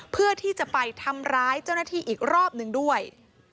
เพื่อที่จะไปทำร้ายเจ้าหน้าที่อีกรอบหนึ่งด้วย